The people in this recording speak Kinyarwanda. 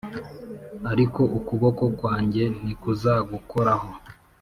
ariko ukuboko kwanjye ntikuzagukoraho.